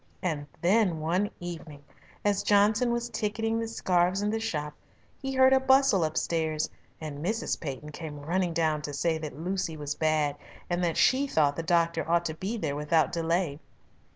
And then one evening, as Johnson was ticketing the scarfs in the shop, he heard a bustle upstairs, and Mrs. Peyton came running down to say that Lucy was bad and that she thought the doctor ought to be there without delay.